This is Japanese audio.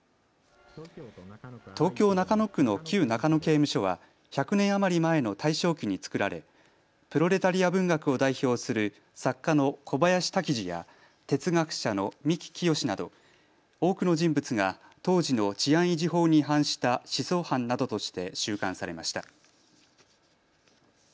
東京中野区の旧中野刑務所は１００年余り前の大正期に造られプロレタリア文学を代表する作家の小林多喜二や哲学者の三木清など多くの人物が当時の治安維持法に違反した思想犯などとして収監されました。